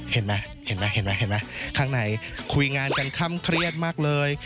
เห็นไหมข้างในคุ้ยงานกันครั้มเครียดมากเลย